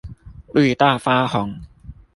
綠到發紅